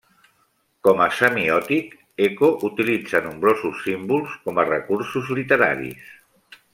Com a semiòtic, Eco utilitza nombrosos símbols com a recursos literaris.